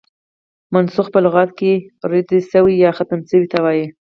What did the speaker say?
منسوخ په لغت کښي رد سوی، يا ختم سوي ته وايي.